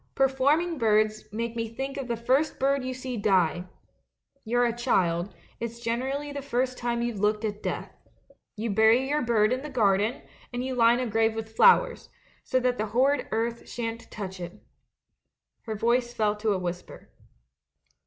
Performing birds make me think of the first bird you see die — you're a child, it's gener ally the first time you've looked at death. You bury your bird in the garden, and you line the grave with flowers, so that the horrid earth shan't touch it.' Her voice fell to a whisper.